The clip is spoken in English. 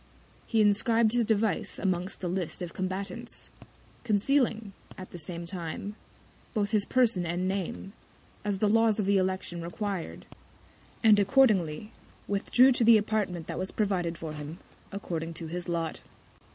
He inscrib'd his Device amongst the List of Combatants; concealing, at the same Time, both his Person and Name, as the Laws of the Election required; and accordingly, withdrew to the Apartment that was provided for him, according to his Lot.